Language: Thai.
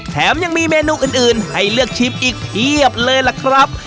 แถมยังมีเมนูอื่นให้เลือกชิมอีกเพียบเลยล่ะครับ